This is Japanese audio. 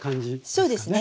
そうですね。